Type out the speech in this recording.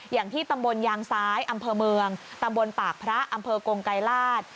อย่างที่ตำบลยางซ้ายอำเภอเมืองตำบลปากพระอำเภอกงไกรราช